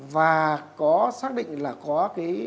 và có xác định là có cái